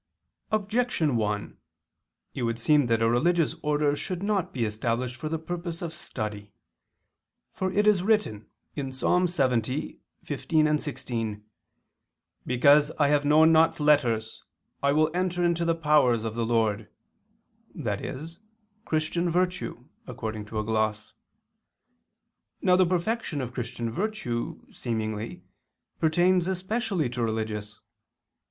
Objection 1: It would seem that a religious order should not be established for the purpose of study. For it is written (Ps. 70:15, 16): "Because I have not known letters [Douay: 'learning'], I will enter into the powers of the Lord," i.e. "Christian virtue," according to a gloss. Now the perfection of Christian virtue, seemingly, pertains especially to religious.